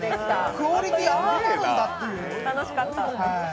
クオリティーああなるんだっていう。